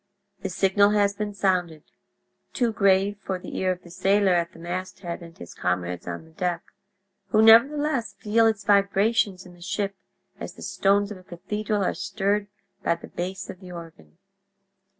The signal has been sounded—too grave for the ear of the sailor at the masthead and his comrades on the deck—who nevertheless feel its vibrations in the ship as the stones of a cathedral are stirred by the bass of the organ.